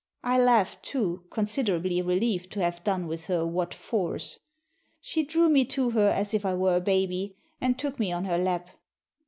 I laughed, too, considerably relieved to have done with her "what for 's." She drew me to her as if I were a baby, and took me on her lap.